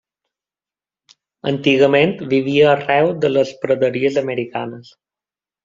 Antigament vivia arreu de les praderies americanes.